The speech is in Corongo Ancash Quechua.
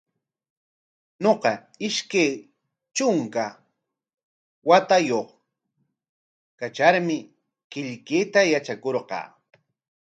Ñuqa ishkay trunka watayuq karraqmi qillqayta yatrakurqaa.